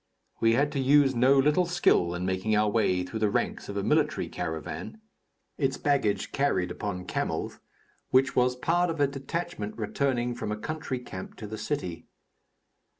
We had to use no little skill in making our way through the ranks of a military caravan its baggage carried upon camels which was part of a detachment returning from a country camp to the city.